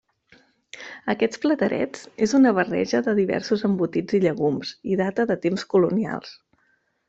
Aquests platerets és una barreja de diversos embotits i llegums, i data de temps colonials.